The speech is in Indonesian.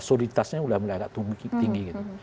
soliditasnya sudah mulai agak tinggi gitu